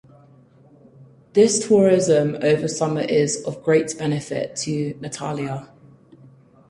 This tourism over summer is of great benefit to Nathalia.